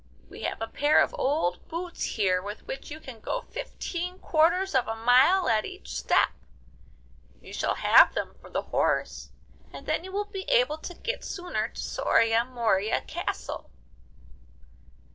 We have a pair of old boots here with which you can go fifteen quarters of a mile at each step. You shall have them for the horse, and then you will be able to get sooner to Soria Moria Castle.